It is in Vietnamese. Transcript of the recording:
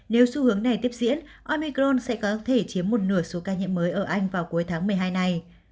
nếu xu hướng này tiếp diễn omicron sẽ có thể chiếm một nửa số ca nhiễm mới ở anh vào cuối tháng một mươi hai này